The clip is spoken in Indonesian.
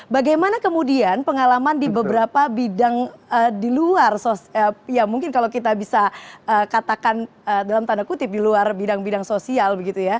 bagaimana kemudian pengalaman di beberapa bidang di luar ya mungkin kalau kita bisa katakan dalam tanda kutip di luar bidang bidang sosial